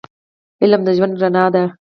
علم د ژوند رڼا ده